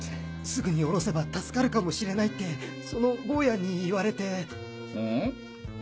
すぐに降ろせば助かるかもしれないってそのボウヤに言われて。